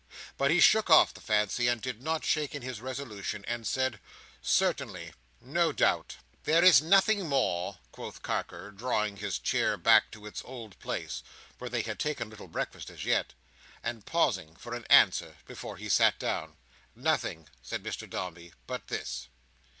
But he shook off the fancy, and did not shake in his resolution, and said, "Certainly, no doubt." "There is nothing more," quoth Carker, drawing his chair back to its old place—for they had taken little breakfast as yet—and pausing for an answer before he sat down. "Nothing," said Mr Dombey, "but this.